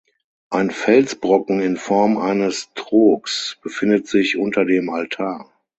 Ein Felsbrocken in Form eines Trogs befindet sich unter dem Altar.